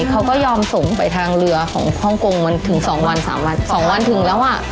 เขาก็ยอมส่งไปทางเรือของฮ่องกงมันถึง๒วันถึงแล้ว